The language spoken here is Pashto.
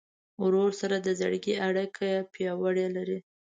ورور سره د زړګي اړیکه پیاوړې لرې.